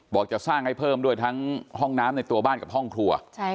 จะสร้างให้เพิ่มด้วยทั้งห้องน้ำในตัวบ้านกับห้องครัว